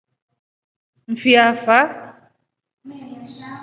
Ni fi afa?